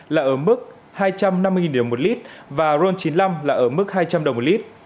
là ở mức hai trăm năm mươi đồng một lít và ron chín mươi năm là ở mức hai trăm linh đồng một lít